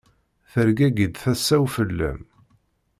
Tergagi-d tasa-w fell-am.